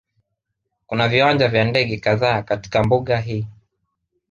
Kuna viwanja vya ndege kadhaa katika mbuga hii